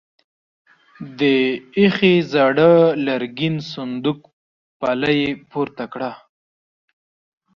د ايښې زاړه لرګين صندوق پله يې پورته کړه.